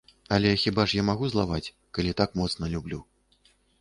Але хіба ж я магу злаваць, калі так моцна люблю.